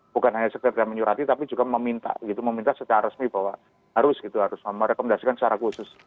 bukan hanya sekedar menyurati tapi juga meminta gitu meminta secara resmi bahwa harus gitu harus merekomendasikan secara khusus